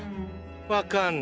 わかんない。